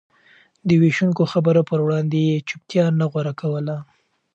د وېشونکو خبرو پر وړاندې يې چوپتيا نه غوره کوله.